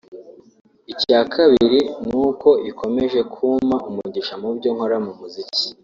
icya Kabili ni uko ikomeje kumpa umugisha mu byo nkora mu muziki”